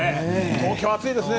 東京は暑いですね。